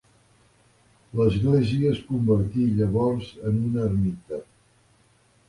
L'església es convertí llavors en una ermita.